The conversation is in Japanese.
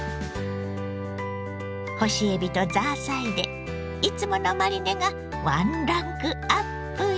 干しエビとザーサイでいつものマリネがワンランクアップよ。